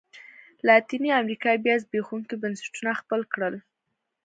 لاتینې امریکا بیا زبېښونکي بنسټونه خپل کړل.